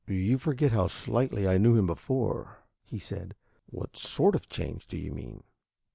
"You forget how slightly I knew him before," he said. "What sort of a change do you mean?"